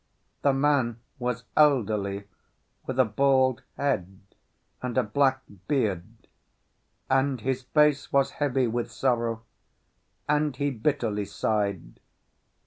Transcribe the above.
The man was elderly, with a bald head and a black beard; and his face was heavy with sorrow, and he bitterly sighed.